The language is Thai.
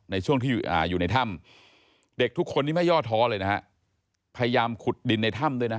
ในช่วงที่อยู่ในถ้ำเด็กทุกคนนี้ไม่ย่อท้อเลยนะฮะพยายามขุดดินในถ้ำด้วยนะ